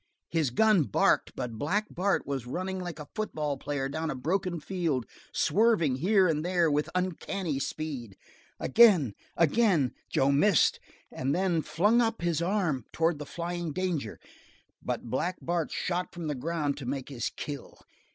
His gun barked, but Black Bart was running like a football player down a broken field, swerving here and there with uncanny speed. Again, again, Joe missed, and then flung up his arm toward the flying danger. But Black Bart shot from the ground to make his kill.